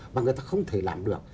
và người ta không thể làm được